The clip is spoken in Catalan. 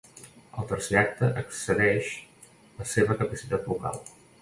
El tercer acte excedeix la seva capacitat vocal.